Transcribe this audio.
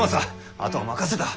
あとは任せた。